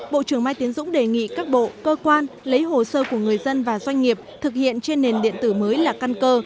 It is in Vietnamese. bộ trưởng mai tiến dũng đề nghị các bộ cơ quan lấy hồ sơ của người dân và doanh nghiệp thực hiện trên nền điện tử mới là căn cơ